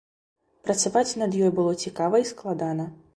Працаваць над ёй было цікава і складана.